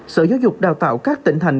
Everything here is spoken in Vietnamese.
sở giáo dục đào tạo các tỉnh thành